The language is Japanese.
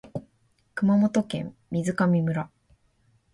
熊本県水上村